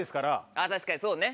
あぁ確かにそうね。